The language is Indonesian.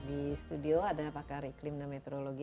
di studio ada pakar iklim dan meteorologi